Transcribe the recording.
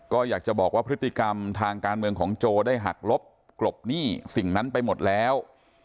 ก็อยากจะบอกว่าพฤติกรรมทางการเมืองของโจได้หักลบกลบหนี้สิ่งนั้นไปหมดแล้ว